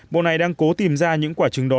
bộ này đang cố tìm ra những quả trứng đó